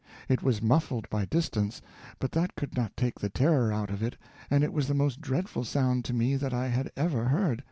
It was muffled by distance, but that could not take the terror out of it, and it was the most dreadful sound to me that I had ever heard.